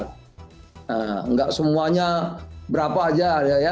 tidak semuanya berapa saja